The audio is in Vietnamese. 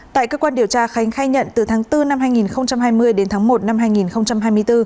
tại cơ quan điều tra khánh khai nhận từ tháng bốn năm hai nghìn hai mươi đến tháng một năm hai nghìn hai mươi bốn